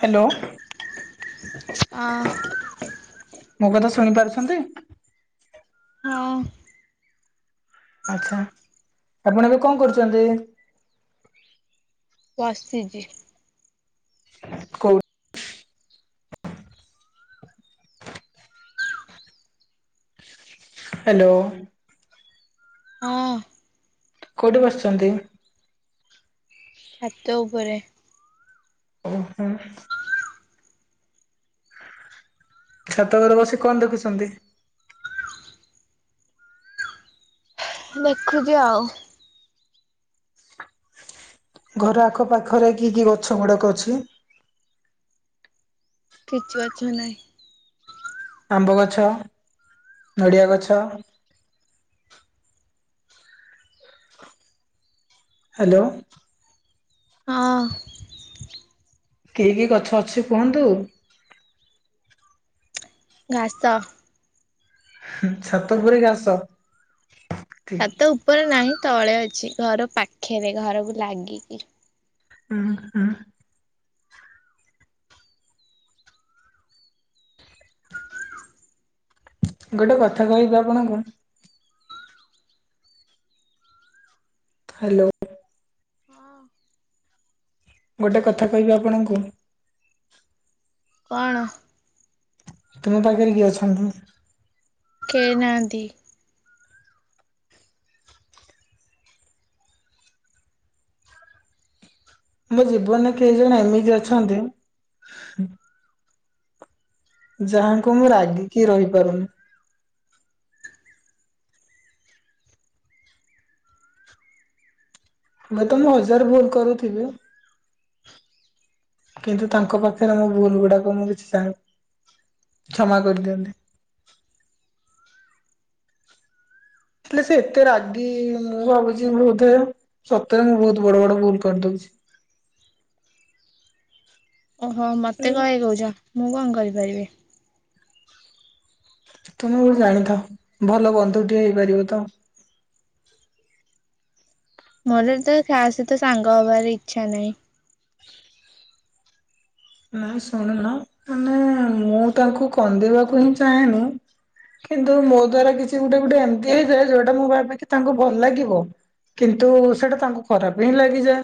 Hello ଆଁ ମୋ କଥା ଶୁଣି ପାରୁଛନ୍ତି ହଁ ଆଛା ଆପଣ ଏବେ କଣ କରୁଛନ୍ତି ବସିଛି କଉଠି ହେଲୋ ହଁ କୋଉଠି ବସିଛନ୍ତି ଛାତ ଉପରେ ଓ ହୋ ଛାତ ଉପରେ ବସି କଣ ଦେଖୁଛନ୍ତି ଦେଖୁଛି ଆଉ ଘର ଆଖପାଖରେ କି କି ଗଛ ଗୁଡାକ ଅଛି କିଛି ଗଛ ନାହିଁ ଆମ୍ବ ଗଛ ନଡ଼ିଆ ଗଛ ହେଲୋ ହଁ କି କି ଗଛ ଅଛି କୁହନ୍ତୁ ଘାସ ଛାତ ଉପରେ ଘାସ ହୁଁ ଛାତ ଉପରେ ନାହିଁ। ତଳେ ଅଛି ଘର ପାଖରେ ଘରକୁ ଲାଗିକି ହଁ ହଁ। ଗୋଟେ କଥା କହିବି ଆପଣଙ୍କୁ ହେଲୋ। ହଁ ଗୋଟେ କଥା କହିବି ଆପଣଙ୍କୁ କଣ? ତମେ ପାଖରେ କିଏ ଅଛନ୍ତି। କେହି ନାହାନ୍ତି। ମୋ ଜୀବନରେ କେହି ଜଣେ ଏମିତି ଅଛନ୍ତି। ଯାହାଙ୍କୁ ମୁଁ ରାଗିକି ରହିପାରୁନି। ହୁଏ ତ ମୁଁ ହଜାରେ ଭୁଲ କରୁଥିବି। କିନ୍ତୁ ତାଙ୍କ ପାଖରେ ମୋ ଭୁଲ ଗୁଡାକ ମୁଁ କିଛି ଜାଣିନି କ୍ଷମା କରିଦିଅନ୍ତି। ହେଲେ ସେ ଏତେ ରାଗି ମୁଁ ଭାବୁଛି ବୋଧେ ସତରେ ମୁଁ ବହୁତ ବଡ ବଡ ଭୁଲ କରିଦଉଛି। ଓହୋ ମତେ କଣ ହେଇକହୁଛ। ମୁଁ କଣ କରିପାରିବି। ତମେ ଗୋଠେ ଜାଣିଥା ଭଲ ବନ୍ଧୁ ଟେ ହେଇପାରିବ ତ। ମୋର ତ ଖା ସହିତ ସାଙ୍ଗ ହବାର ଇଚ୍ଛା ନାହିଁ। ନାାଇ ଶୁଣୁନ ମାନେ ମୁଁ ତାଙ୍କୁ କନ୍ଦେଇବାକୁ ହିଁ ଚାହେଁନି କିନ୍ତୁ ମୋ ଦ୍ଵାରା କିଛି ଗୋଟେ ଗୋଟେ ଏମିତି ହେଇଯାଏ ଯୋଉଟା ମୁଁ ଭାବ କି ତାଙ୍କୁ ଭଲ ଲାଗିବ କିନ୍ତୁ ସେଟା ତାଙ୍କୁ ଖରାପ ହିଁ ଲାଗିଯାଏ।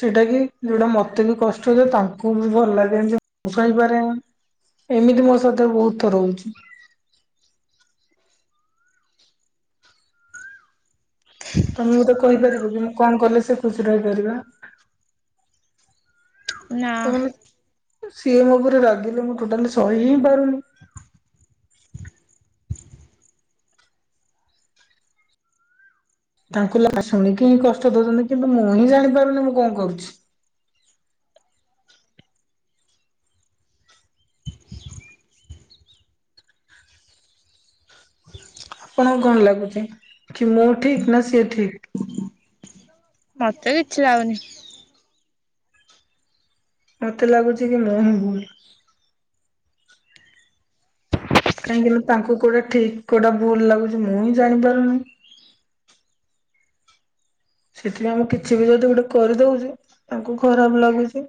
ସେଇଟା କି ଯୋଉଟା ମତେ ବି କଷ୍ଟ ହ ତାଙ୍କୁ ବି ଭଲ ଲାଗେ ଏମତିଇପାରେ ଏମିତି ମୋ ସାତ ବହୁତ ଥ ରହୁଛି। ତମେ ମ ତେ କହିପାରିବ କି ମୁଁ କଣ କଲେ ସେ ଖୁସି ରହିପାରିବା। ନା ସିଏମ ଉପରେ ଲଗିଲେ ମୁଁ ଟୋଟାଲି ସହି ହି ପାରୁନି। ତାଙ୍କୁ ଲ ଶୁଣିକି ହିଁ କଷ୍ଟ ଦଉଛନ୍ତି କିନ୍ତୁ ମୁଁ ହିଁ ଜାଣିପାରୁନି ମୁଁ କଣ କରୁଛି। ଆପଣଙ୍କୁ କଣ ଲାଗୁଛି କି ମୁଁ ଠିକ ନା ସିଏ ଠିକ? ମତେ କିଛି ଲାଗନି ମତେ ଲାଗୁଛି କି ନ ହଁ ଭୁଲ। କାହିଁକି ନା ତାଙ୍କୁ କୋଉଟା ଠିକ କୋଉଟା ଭୁଲ ଲାଗୁଛି ମୁଁ ହିଁ ଜାଣି ପାରୁନି। ସେଥିପାଇଁ ଆମେ କିଛି ବି ଯଦି ଗୋଟେ କରିଦଉଛି ତାଙ୍କୁ ଖରାପ ଲାଗୁଛି।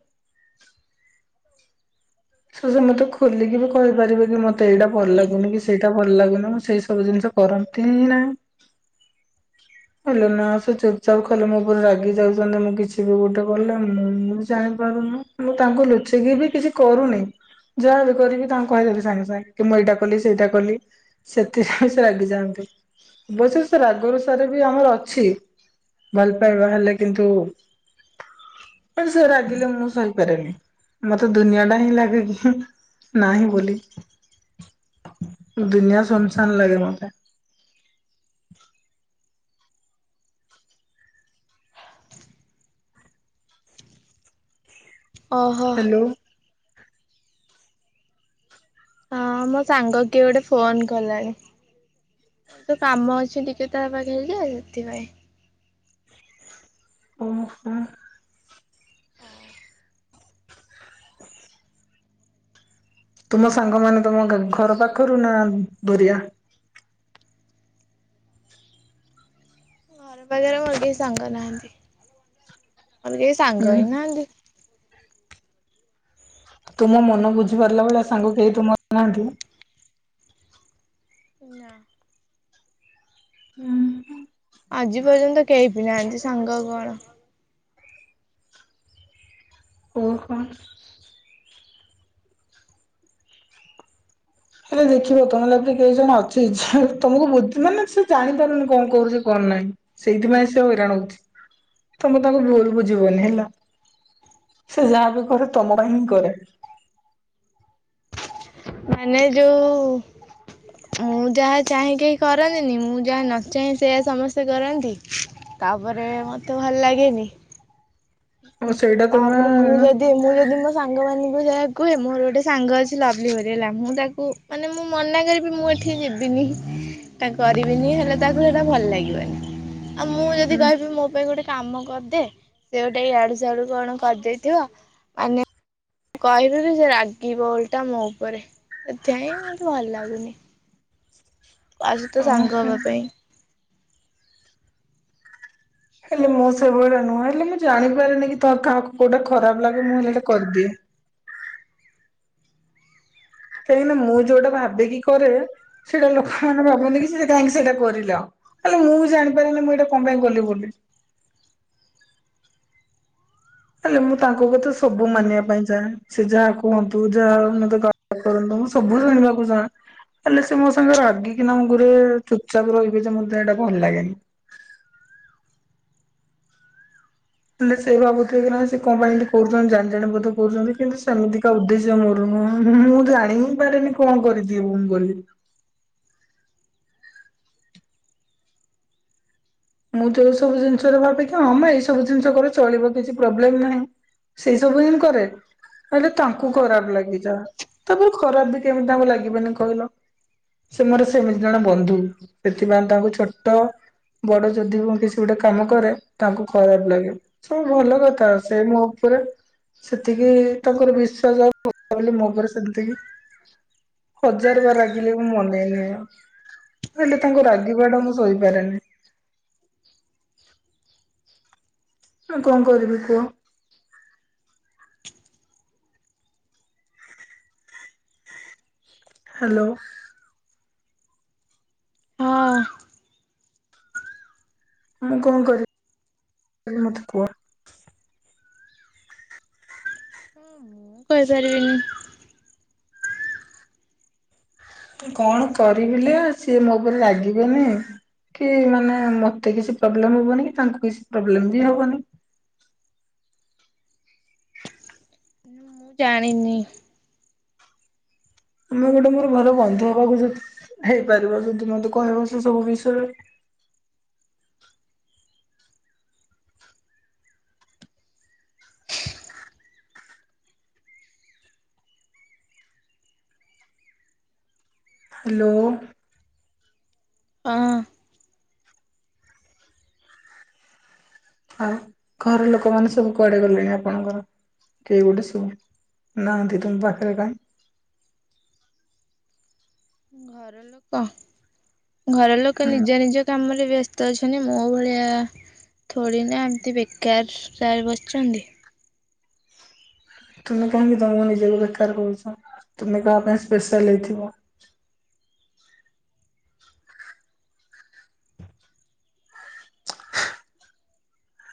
ସେ ସେ ମତେ ଖୋଲିକି ବି କହିପାରିବେ କି ମତେ ଏଇଟା ଭଲ ଲାଗୁନି କି ସେଇଟା ଭଲ ଲାଗୁନି ମୁଁ ସେଇ ସବୁ ଜିନିଷ କରନ୍ତି ହିଁ ନାହିଁ ହେଲେ ନା ସେ ଚୁପଚାପ୍ ଖଲେ ମୋ ପରେ ରାଗି ଯାଉଛନ୍ତି ମୁଁ କିଛି ବି ଗୋଟେ ଗଲେ ମୁଁ ବି ଜାଣିପାରୁନି ମୁଁ ତାଙ୍କୁ ଲୁଚେଇିକି ବି କିଛି କରୁନି। ଯାହା ବି କରିବି ତାଙ୍କୁ କହିଦେଲି ସାଙ୍ଗେ ସାଙ୍ଗେ କି ମୁଁ ଏଇଟା କଲି ସେଇଟା କଲି ସେଥିରେ ବି ସେ ରାଗି ଯାଆନ୍ତି ଅବଶ୍ୟ ସେ ରାଗରୁ ସାର ବି ଆମର ଅଛି ଭଲ ପାଇବା ହେଲେ କିନ୍ତୁ ସେ ରାଗିଲେ ମୁଁ ସହିପାରେନି ମତେ ଦୁନିଆ ଟା ହିଁ ଲାଗ ଲ କି ନାହିଁ ବୋଲି ଦୁନିଆ ସନ୍ସନ୍ ଲାଗେ ମତେ। ଅହୋ। ହ୍ୟାଲୋ ହଁ ମୋ ସାଙ୍ଗ କିଏ ଗୋଟେ ଫୋନ କଲାଣି ତ କାମ ଅଛି ଟିକେ ତା ପାଖରେ ଯେ ସେଥିପାଇଁ ଓହୋ। ହଁ। ତୁମ ସାଙ୍ଗ ମାନ ତମ ଘର ପାଖରୁ ନା ବରିଆ ଘରେ ବଗର ମୁର୍ଗେଇ ସାଙ୍ଗନାହାନ୍ତି। ମ କେ ସଙ୍ଗ ହୁଁ ହେଇ ନାନ୍ତି। ତୁମ ମନ ବୁଝି ପାରିଲା ଭେଳିଆ ସାଙ୍ଗ କେହି ତୁମର ନାହାନ୍ତି। ନା ହୁଁ। ଆଜି ପର୍ଯ୍ୟନ୍ତ କେହି ବି ନାହାନ୍ତି ସାଙ୍ଗ କଣ ଓହୋ। ହେଲେ ଦେଖିବ ତମେ ଲାଗେ କେଇ ଜଣ ଅଛି ତମକୁ ମାନେ ସେ ଜାଣିପାରୁନି କଣ କରୁଛି କଣ ନାହିଁ ସେଇଥିପାଇଁ ସେ ହଇରାଣ ହଉଛି ତମେ ତାଙ୍କୁ ଭୁଲ ବୁଝିବନି ହେଲା ସେ ଯାହା ବି କରେ ତମ ପାଇଁ ହିଁ କରେ। ମାନେ ଯୋଉ ମୁଁ ଯାହା ଚାହିେଁ କେହି କରନ୍ତିନି ମୁଁ ଯାହା ନଚହିଁ ସେୟ ସମସ୍ତେ କରନ୍ତି ତାପରେ ମତେ ଭଲ ଲାଗେନି। ଆଉ ସେଇଟା ତମେ ତାପରେ ମୁଁ ଯଦି ମୁଁ ଯଦି ମୋ ସାଙ୍ଗ ମାନ ମୁଁ ଯାହା କୁହେ ମୋର ଗୋଟେ ସାଙ୍ଗ ଅଛି ଲଭଲି ହରି ହେଲା ମୁଁ ତାକୁ ମାନେ ମୁଁ ମନା କରିବି ମୁଁ ଏଠି ଯିବିନି ତା କରିବିନି ହେଲେ ତାକୁ ସେଇଟା ଭଲ ଲାଗିବନି ଆଉ ମୁଁ ଯଦି କହିବି ମୋ ପାଇଁ ଗୋଟେ କାମ କରିଦେ ସେ ଗ ଗୋଟ ଏଇ ଆଡୁ ସ ଆଡୁ କଣ କରିଦେଇଥିବ ମାନେ କହିବୁ କି ସେ ରାଗି ବୋଲଟା ମୋ ଉପରେ ସେଥି ହାଇଁ ମତେ ଭଲ ଲାଗୁନି। ଆସୁ ତ ସାଙ୍ଗ ହବା ଓହୋ। ପାଇଁ ହେଲେ ମୁଁ ସେଭଳିଆ ନୁହଁ ହେଲେ ମୁଁ ଜାଣିପାରେିନି କି ତୋର କାହାକୁ କୋଉଟା ଖରାପ ଲାଗେ ମୁଁ ହେଲେ ଏଟା କରିଦିଏ। କାହିଁକିନା ମୁଁ ଯୋଉଟା ଭାାବିକି କରେ ସେଇଟା ଲୋକମାନୋନ ଭାବନ୍ତି କି ସେ କାହିଁକି ସେଇଟା କରିଲେ ଆଉ ହେଲେ ମୁଁ ବି ଜାଣିପାରିନି ମୁଁ ଏଇଟା କଣ ପାଇଁ କଲି ବୋଲି ହେଲେ ମୁଁ ତାଙ୍କୁ କଥାେ ସବୁ ମାନିବା ପାଇଁ ଚାହେଁ ସେ ଯାହା କୁହନ୍ତୁ ଯାହା ମତେ ଗ କରନ୍ତୁ ମୁଁ ସବୁ ଜାଣିବାକୁ ଚାହେଁ ହେଲେ ସେ ମୋ ସାଙ୍ଗରେ ରାଗିକିନା ମୁମ ଘୋରେ ଚୁପଚାପ ରହିବେ ଯେ ମତେ ଏଇଟା ଭଲ ଲାଗେନି। ହେଲେ ସେଇ ଭାବୁଥିବ ନା ସେ କଣ ପାଇଁ କରୁଛନ୍ତି ଜାଣି ଜାଣି ବୋଧ କରୁଛନ୍ତି କିନ୍ତୁ ସେମିତିକାା ଉଦ୍ଦେଶ୍ୟ ମୋର ନୁହଁଁ ମୁଁ ଜାଣ ହି ପାରେିନି କଣ କରିଦିଏ ମୁଁ କରିବି ମୁଁ ଯୋଉ ସବୁ ଜିନିଷରେ ଭାବିକି ହଁମ ଏଇ ସବୁ ଜିନିଷ କରେ ଚଳିବ କିଛି ପ୍ରୋବ୍ଲେମ ନାହିଁ ସେଇ ସବୁ ଜିନ କରେ ହେଲେ ତାଙ୍କୁ ଖରାପ ଲାଗିଯା ତାପରେ ଖରାପ ବି କେମିତି ତାଙ୍କୁ ଲାଗିବନି କହିଲ ସେ ମୋର ସେମିତି ଜଣେ ବନ୍ଧୁ ସେଥିପାଇଁ ତାଙ୍କୁ ଛୋଟ ବଡ ଯଦି ମୁଁ କିଛି ଗୋଟେ କାମ କରେ ତାଙ୍କୁ ଖରାପ ଲାଗେ ସବୁ ଭଲ କଥା ସେ ମୋ ଉପରେ ସେତିକି ତାଙ୍କର ବିଶ୍ୱାସ ବୋଲି ମୋ ଉପରେ ସେମତିକି ହଜାର ବାର ରାଗିଲେ ମୁଁ ମନେଇନହିଁ ଆଉ ହେଲେ ତାଙ୍କୁ ରାଗିବାଟା ମୁଁ ଶୋଇପାରେନି ମୁଁ କଣ କରିବି କୁହ? ହାଲୋ ହଁ। ମୁଁ କଣ କରିବି ମତେ କୁହ? ହଁ ମୁଁ କହିପାରିବିନି କଣ କରିବିଲ ସିଏ ମୋ ଉପରେ ଲାଗିବେନି କି ମାନେ ମତେ କିଛି ପ୍ରୋବ୍ଲେମ ହବନି କି ତାଙ୍କୁ କିଛି ପ୍ରୋବ୍ଲେମ ବି ହବନି। ମୁଁ ଜାଣିନି ମୁଁ ଗୋଟେ ମୋର ଘରେ ବନ୍ଧୁ ହବାକୁ ଯି ହେଇପାରିବ ଯଦି ମତେ କହିବ ସେ ସବୁ ବିଷୟରେ ହାଲୋ ହଁ। ଆଉ ଘର ଲୋକମାନୋନ ସବୁ କୁଆଡେ ଗଲେଣି ଆପଣଙ୍କର କେହି ଗୋଟେ ସବୁ ନାହାନ୍ତି ତମ ପାଖରେ କାହିଁ? କହ? ଘର ଲୋକ ହୁଁ ନିଜ ନିଜ କାମରେ ବ୍ୟସ୍ତ ଅଛନ୍ତି ମୋ ଭଳିଆ ଥଳି ନା ଏମିତି ବେକାର ଟରେ ବସିଛନ୍ତି। ତୁମେ କାହିଁକି ତମକୁ ନିଜକୁ ବେକାର କରୁଛ ତମେ କାହା ପାଇଁ ସ୍ପେଶାଲ ହେଇଥିବ।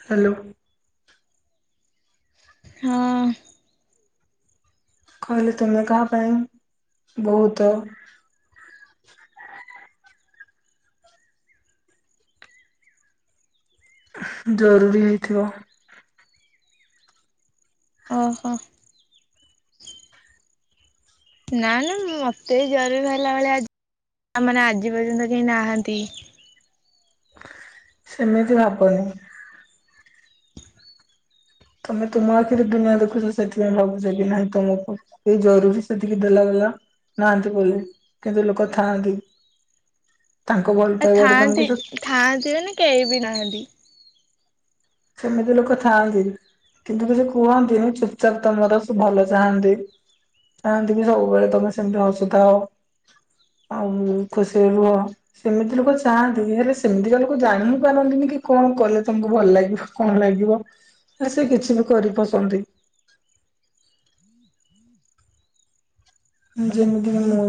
ହାଲୋ ହଁ। କହିଲେ ତମେ କାହା ପାଇଁ ବହୁତ ଜରୁରୀ ହେଇଥିବ। ଓହୋ। ନା ନା ମତେ ଜରୁରୀ ହେଲା ଭଳିଆ ଆମର ଆଜି ପର୍ଯ୍ୟନ୍ତ କେହି ନାହାନ୍ତି। ସେମିତି ଭାବନି ତମେ ତୁମ ଆଖିରେ ଦୁନିଆ ଦେଖୁଛ ସେଥିପାଇଁ ଭାବୁଛ କି ନାଇଁ ତମକୁ କେ ଜରୁରୀ ସେତିକି ଦେଲା ବଲା ନାହାନ୍ତି ବୋଲି କିନ୍ତୁ ଲୋକ ଥାଆନ୍ତି। ତାଙ୍କ ଭଲ ଆ ପାଇବାଟା ଥାଆନ୍ତି ତମକୁ ସେ ଥାଆନ୍ତି ମାନେ କେହି ବି ନାହାନ୍ତି। ସେମିତି ଲୋକ ଥାଆନ୍ତି କିନ୍ତୁ କି ସେ କୁହନ୍ତିନି ଚୁପଚାପ୍ ତମର ସେ ଭଲ ଚାହାନ୍ତି ଚାହାନ୍ତି କି ସବୁବେଳେ ତମେ ସେମିତି ହସୁଥାଅ ଆଉ ଖୁସିରେ ରୁହ ସେମିତି ଲୋକ ଚାହାନ୍ତି ହେଲେ ସେମିତିକା ଲୋକ ଜାଣି ହି ପାରନ୍ତିନି କି କଣ କଲେ ତମକୁ ଭଲ ଲାଗିବ। କଣ ଲାଗିବ ସେ କିଛି ବି କରି ପକାନ୍ତି। ଜମିତି ମୁଁ